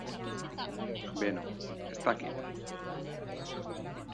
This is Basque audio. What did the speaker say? Beno, ez dakit.